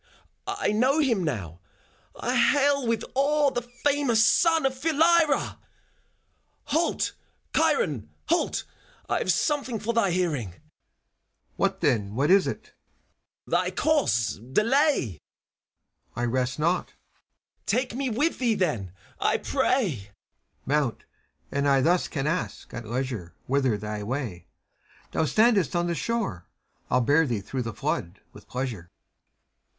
... I know him now, I hail with awe The famous son of Philyra !— Halt, Chiron, halt! I've something for thy hearing. CHIRON. What then f What is it? FAUST. Thy course delay! CHIRON. I rest not. FAUST. Take me with thee, then, I prayl CHIRON. Mount! and I thus can ask, at leisure, Whither thy way. Thou standest on the shore; 111 bear thee through the flood, with pleasure.